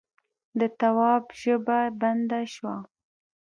د تواب ژبه بنده شوه: